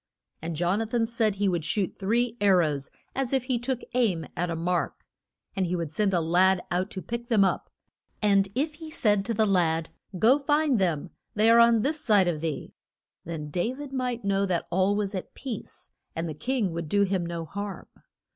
And Jon a than said he would shoot three ar rows as if he took aim at a mark. And he would send a lad out to pick them up. And if he said to the lad, Go, find them, they are on this side of thee, then Da vid might know that all was at peace and the king would do him no harm.